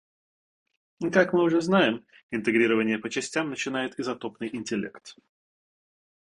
Как мы уже знаем, интегрирование по частям начинает изотопный интеллект.